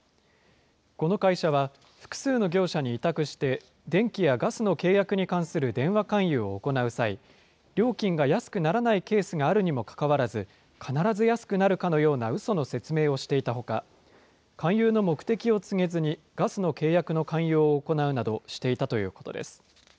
この会社は、複数の業者に委託して、電気やガスの契約に関する電話勧誘を行う際、料金が安くならないケースがあるにもかかわらず、必ず安くなるかのようなうその説明をしていたほか、勧誘の目的を告げずに、ガスの契約の勧誘を行うなどしていたということです。